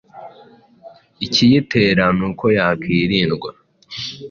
ikiyitera n’uko yakwirindwa.